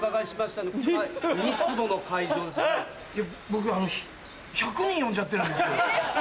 僕１００人呼んじゃってるんですけど。